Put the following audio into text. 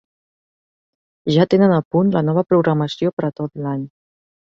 Ja tenen a punt la nova programació per a tot l'any.